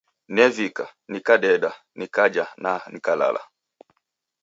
Nevika, nikadeka, nikajha na nikalala.